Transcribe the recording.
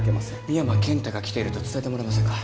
深山健太が来ていると伝えてもらえませんか。